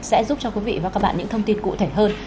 sẽ giúp cho quý vị và các bạn những thông tin cụ thể hơn